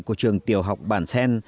của trường tiểu học bản xen